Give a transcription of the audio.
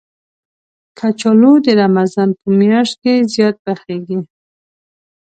کچالو د رمضان په میاشت کې زیات پخېږي